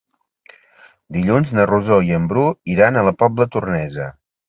Dilluns na Rosó i en Bru iran a la Pobla Tornesa.